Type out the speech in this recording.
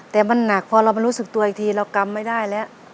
แต่มันหนักพอเรามารู้สึกตัวอีกทีเรากำไม่ได้แล้ว